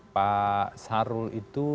pak syahrul itu